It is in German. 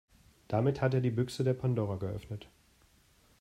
Damit hat er die Büchse der Pandora geöffnet.